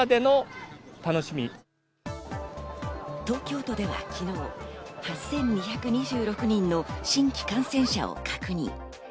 東京都では昨日８２２６人の新規感染者を確認。